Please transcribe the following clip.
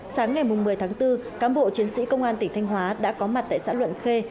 sáng ngày một mươi tháng bốn cám bộ chiến sĩ công an tỉnh thanh hóa đã có mặt tại xã luận khê